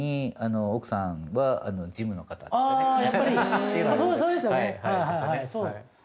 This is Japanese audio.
やっぱりそうですよね